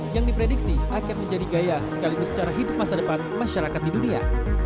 yang diprediksi akan menjadi gaya sekaligus cara hidup masa depan masyarakat di dunia